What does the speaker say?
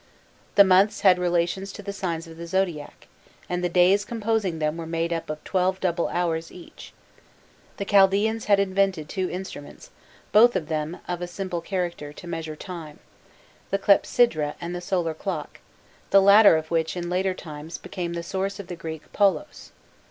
The months had relations to the signs of the zodiac, and the days composing them were made up of twelve double hours each. The Chaldaens had invented two instruments, both of them of a simple character, to measure time the clepsydra and the solar clock, the latter of which in later times became the source of the Greek "polos."